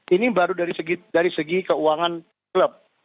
ini baru dari segi keuangan klub